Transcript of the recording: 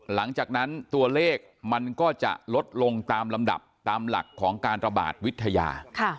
หลังจากนั้นตัวเลขมันก็จะลดลงตามลำดับตามหลักของการระบาดวิทยา